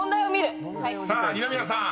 ［さあ二宮さん